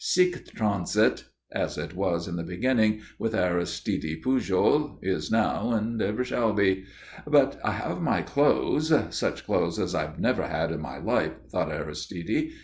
Sic transit.... As it was in the beginning with Aristide Pujol, is now and ever shall be.... "But I have my clothes such clothes as I've never had in my life," thought Aristide.